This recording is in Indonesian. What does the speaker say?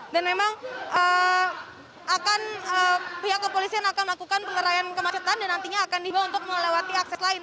dan memang pihak kepolisian akan melakukan pengerayan kemasetan dan nantinya akan dihimbau untuk melewati aksi lain